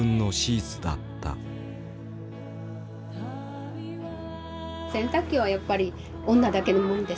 洗濯機はやっぱり女だけのものですもんね。